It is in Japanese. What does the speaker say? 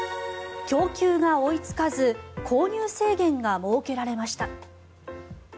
供給が追いつかず購入制限が設けられました。